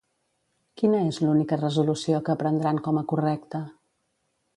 Quina és l'única resolució que prendran com a correcte?